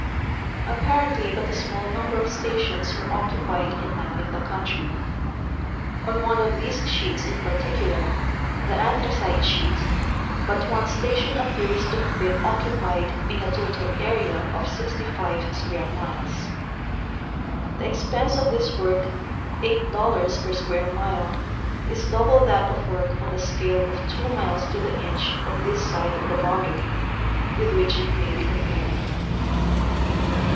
Apparently but a small number of stations were occupied in mapping the country. On one of these sheets in particular, the Anthracite sheet, but one station appears to have been occu pied in a total area of 65 square miles. The expense of this work, eight dollars per square mile, is double that of work on a scale of 2 miles to the inch on this side of the boundary, with which it maj^ be compared.